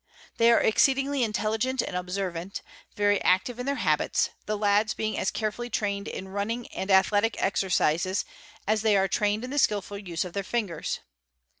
'They are exceedingly intelligent and servant,.very active in their habits, the lads being as carefully trained running and athletic exercises as they are trained in the skilful use of 356 WANDERING TRIBES their fingers.